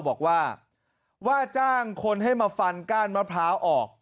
บอกว่าว่าจ้างคนให้มาฟันก้านมะพร้าวออก